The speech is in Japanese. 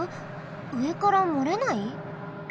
うえからもれない？